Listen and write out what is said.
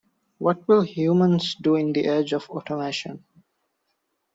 What will humans do in the age of automation?